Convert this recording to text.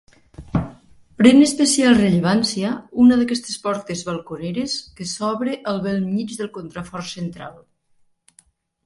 Pren especial rellevància una d'aquestes portes balconeres que s'obra al bell mig del contrafort central.